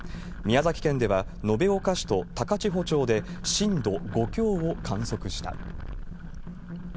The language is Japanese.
宮崎県では延岡市と高千穂町で、震度５強を観測した。